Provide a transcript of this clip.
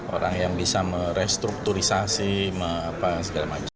orang yang bisa merestrukturisasi segala macam